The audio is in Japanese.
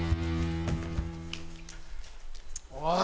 おい！